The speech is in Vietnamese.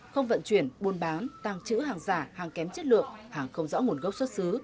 không vận chuyển buôn bán tàng trữ hàng giả hàng kém chất lượng hàng không rõ nguồn gốc xuất xứ